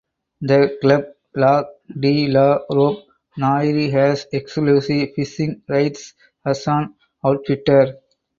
The Club Lac de la Robe Noire has exclusive fishing rights as an outfitter.